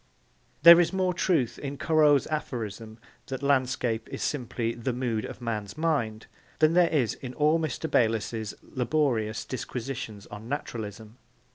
There is more truth in Corot's aphorism that a landscape is simply 'the mood of a man's mind' than there is in all Mr. Bayliss's laborious disquisitions on naturalism.